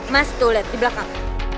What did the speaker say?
mas tuh lihat di belakang